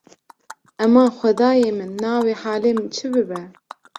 Eman, Xwedayê min! Niha wê halê min çi bibe?